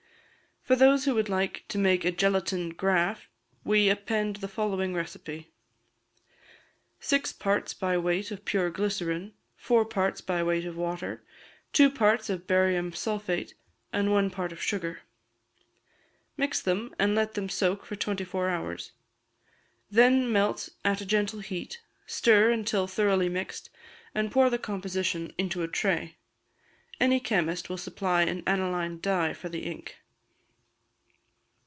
For those who would like to make a gelatine "graph," we append the following recipe: Six parts by weight of pure glycerine, four parts by weight of water, two parts of barium sulphate, and one part of sugar. Mix them, and let them soak for twenty four hours; then melt at a gentle heat, stir until thoroughly mixed, and pour the composition into a tray. Any chemist will supply an aniline dye for the ink.